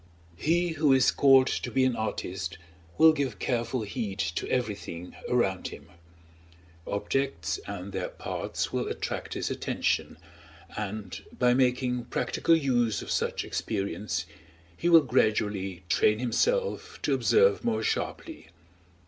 He who is called to be an artist will give careful heed to everything around him; objects and their parts will attract his attention, and by making practical use of such experience he will gradually train himself to observe more sharply.